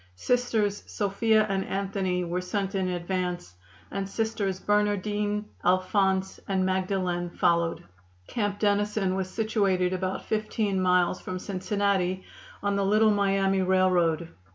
Sisters Sophia and Anthony were sent in advance, and Sisters Bernardine, Alphonse and Magdalen followed. Camp Dennison was situated about fifteen miles from Cincinnati, on the Little Miami Railroad.